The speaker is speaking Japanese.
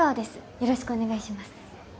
よろしくお願いします